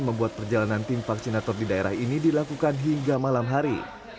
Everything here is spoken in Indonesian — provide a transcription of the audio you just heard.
membuat perjalanan tim vaksinator di daerah ini dilakukan hingga malam hari